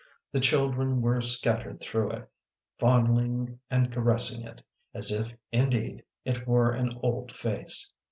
The children were scat tered through it, fondling and caressing it, as if indeed it were an old face.